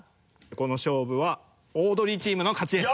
この勝負はオードリーチームの勝ちです。